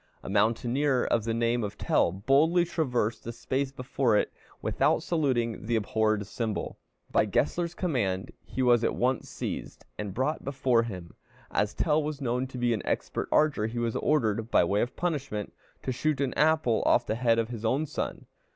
A mountaineer of the name of Tell boldly traversed the space before it without saluting the abhorred symbol. By Gessler's command he was at once seized and brought before him. As Tell was known to be an expert archer, he was ordered, by way of punishment, to shoot an apple off the head of his own son.